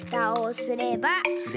すれば？